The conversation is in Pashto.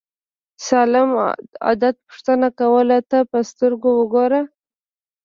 سالم عادت پوښتنه کولو ته په سترګه وګورو.